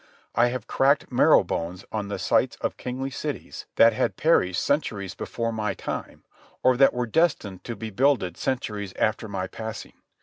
I have cracked marrow bones on the sites of kingly cities that had perished centuries before my time or that were destined to be builded centuries after my passing.